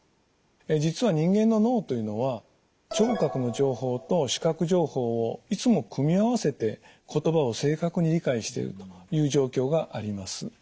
実は人間の脳というのは聴覚の情報と視覚情報をいつも組み合わせて言葉を正確に理解しているという状況があります。